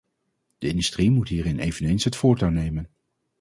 De industrie moet hierin eveneens het voortouw nemen.